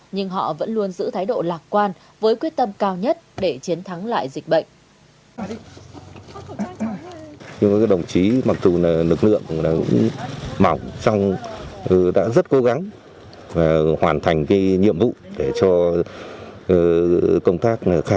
nhưng họ vẫn luôn giữ thái độ lạc quan với quyết tâm cao nhất để chiến thắng lại dịch bệnh